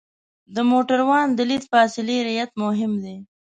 د موټروان د لید فاصلې رعایت مهم دی.